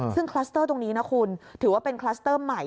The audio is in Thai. ซึ่งคลัสเตอร์ตรงนี้นะคุณถือว่าเป็นคลัสเตอร์ใหม่